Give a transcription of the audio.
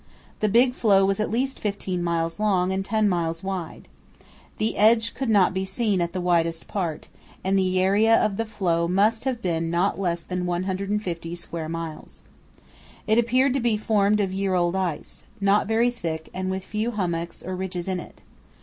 The big floe was at least 15 miles long and 10 miles wide. The edge could not be seen at the widest part, and the area of the floe must have been not less than 150 square miles. It appeared to be formed of year old ice, not very thick and with very few hummocks or ridges in it.